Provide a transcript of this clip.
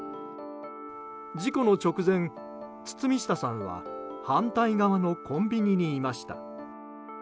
事故の直前、堤下さんは反対側のコンビニにいました。